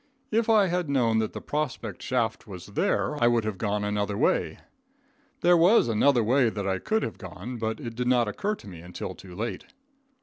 If I had known that the prospect shaft was there, I would have gone another way. There was another way that I could have gone, but it did not occur to me until too late.